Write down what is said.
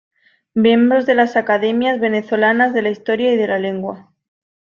Miembro de las academias venezolanas de la Historia y de la Lengua.